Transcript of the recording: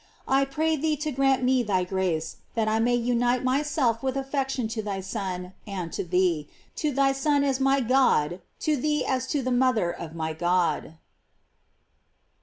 I pray thee to grant me thy grace, that I may unite myself with affection to thy Son and to thee; to thy Son as to my God, to thee as to the mother of my God.